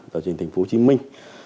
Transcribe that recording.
đài truyền hình thành phố hồ chí minh